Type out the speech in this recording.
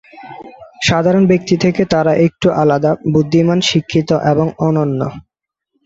সাধারণ ব্যক্তি থেকে তারা একটু আলাদা, বুদ্ধিমান, শিক্ষিত এবং অনন্য।